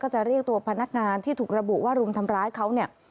จะเรียกตัวพนักงานที่ถูกระบุว่ารุมทำร้ายเขาเนี่ย